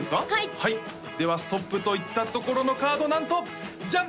はいではストップと言ったところのカードなんとジャン！